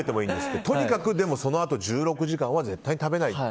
でもとにかくそのあと１６時間は食べないって。